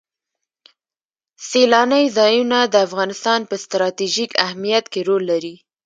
سیلانی ځایونه د افغانستان په ستراتیژیک اهمیت کې رول لري.